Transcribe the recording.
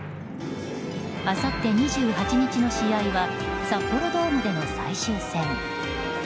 あさって２８日の試合は札幌ドームでの最終戦。